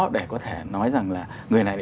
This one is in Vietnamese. để có thể nói rằng là người này